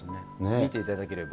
見ていただければ。